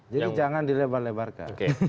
jadi jangan dilebar lebarkan